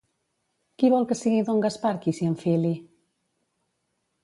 Qui vol que sigui don Gaspar qui s'hi enfili?